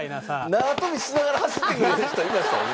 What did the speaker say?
縄跳びしながら走ってくる人いましたよね。